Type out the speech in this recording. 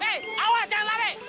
hei awas jangan lari